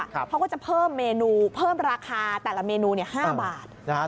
เขาก็จะเพิ่มเมนูเพิ่มราคาแต่ละเมนู๕บาท